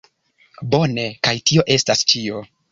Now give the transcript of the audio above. Bone, Kaj tio estas ĉio